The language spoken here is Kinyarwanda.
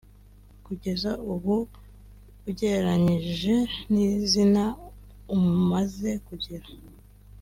kugeza ubu ugereranyije n’izina umaze kugira